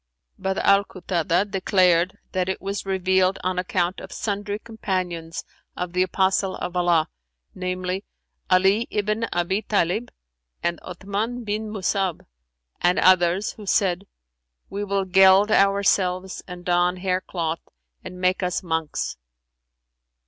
But Al Kutαdah declareth that it was revealed on account of sundry Companions of the Apostle of Allah, namely, Ali ibn Abν Tαlib and Othmαn bin Musa'ab and others, who said, 'We will geld ourselves and don hair cloth and make us monks.'"